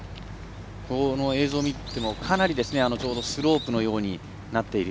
この映像を見ても、かなりスロープのようになっている。